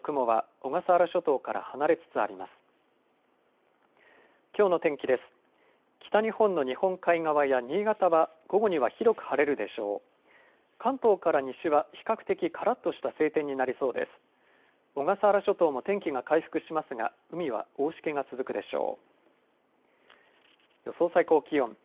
小笠原諸島も天気が回復しますが海は大しけが続くでしょう。